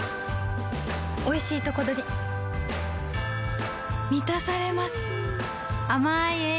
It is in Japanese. おいしいとこどりみたされます